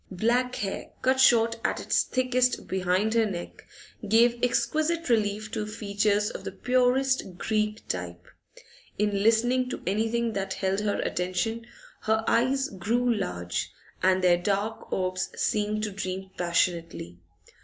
Black hair, cut short at its thickest behind her neck, gave exquisite relief to features of the purest Greek type. In listening to anything that held her attention her eyes grew large, and their dark orbs seemed to dream passionately.